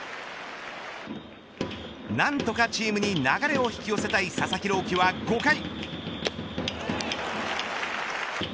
何とかチームに流れを引き寄せたい佐々木朗希は５回。